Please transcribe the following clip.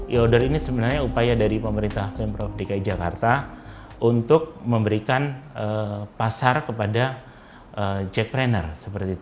e order ini sebenarnya upaya dari pemerintah pemprov dki jakarta untuk memberikan pasar kepada jack trainer